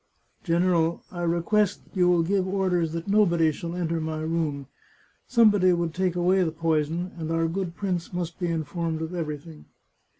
... General, I request you will g^ve orders that nobody shall enter my room. Somebody would take away the poison, and our good prince must be informed of everything."